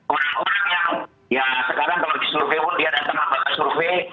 orang orang yang ya sekarang kalau disurvey pun dia datang lembaga survei